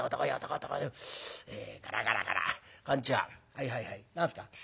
「はいはいはい何すか？」。